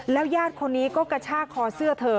ญาติคนนี้ก็กระชากคอเสื้อเธอ